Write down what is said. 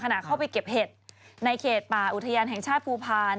ขณะเข้าไปเก็บเห็ดในเขตป่าอุทยานแห่งชาติภูพาล